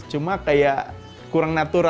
cuma kayak kurang natural